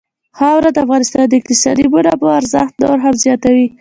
خاوره د افغانستان د اقتصادي منابعو ارزښت نور هم زیاتوي.